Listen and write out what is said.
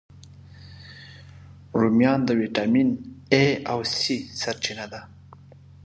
رومیان د ویټامین A، C سرچینه ده